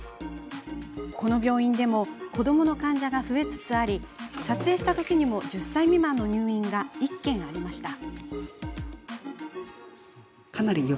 この病院でも子どもの患者が増えつつあり撮影したときにも１０歳未満の入院が１件ありました。